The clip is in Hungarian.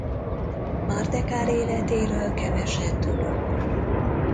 Mardekár életéről keveset tudunk.